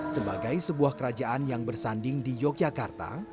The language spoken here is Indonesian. sebagai sebuah kerajaan yang bersanding di yogyakarta